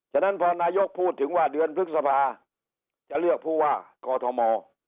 ฉะนั้นพอนายกพูดถึงว่าเดือนพฤษภาจะเลือกผู้ว่ากอทม